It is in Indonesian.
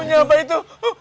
punya apa itu